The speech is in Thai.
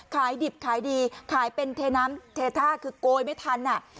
ขายดิบขายดีขายเป็นเทน้ำเทท่าคือโกยไม่ทันอ่ะ